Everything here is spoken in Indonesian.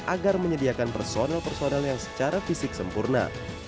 agar menyediakan personal personal yang secara fisik sempurna